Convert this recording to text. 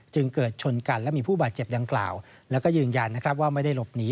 จึงเกิดชนกันและมีผู้บาดเจ็บดังกล่าวแล้วก็ยืนยันนะครับว่าไม่ได้หลบหนี